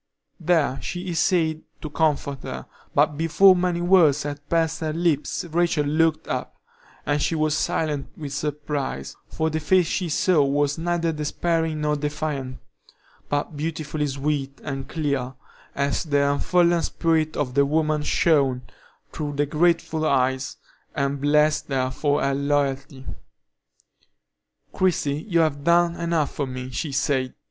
There she essayed to comfort her, but before many words had passed her lips Rachel looked up, and she was silent with surprise, for the face she saw was neither despairing nor defiant, but beautifully sweet and clear, as the unfallen spirit of the woman shone through the grateful eyes, and blessed her for her loyalty. "Christie, you have done enough for me," she said.